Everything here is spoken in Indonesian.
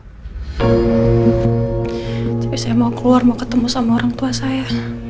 tapi saya mau keluar mau ketemu sama orang tua saya